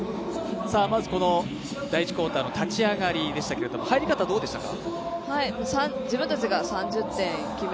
まず第１クォーターの立ち上がりでしたけれども入り方はどうでしたか？